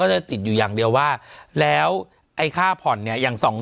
จะติดอยู่อย่างเดียวว่าแล้วไอ้ค่าผ่อนเนี่ยอย่างสอง